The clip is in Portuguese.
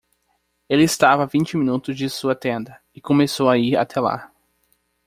Ele estava a vinte minutos de sua tenda? e começou a ir até lá.